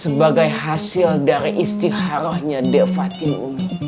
sebagai hasil dari istiharohnya deh fatin umi